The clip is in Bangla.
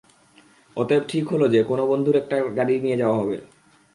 অতএব ঠিক হলো যে, কোনো বন্ধুর একটা গাড়ি নিয়ে যাওয়া হবে।